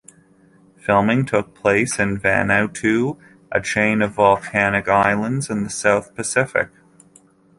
Filming took place in Vanuatu, a chain of volcanic islands in the South Pacific.